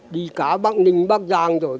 đi cá bắc ninh bắc giang rồi